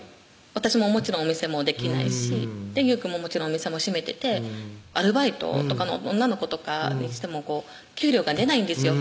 私ももちろんお店もできないしゆうくんももちろんお店も閉めててアルバイトとかの女の子とかにしても給料が出ないんですよ